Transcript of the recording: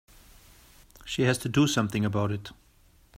She has to do something about it.